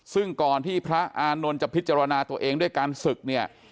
ซึ่งก่อนที่พระอานนท์จะพิจารณาตัวเองด้วยการศึกเนี่ย